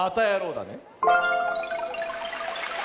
だね。